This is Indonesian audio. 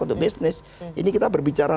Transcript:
untuk bisnis ini kita berbicara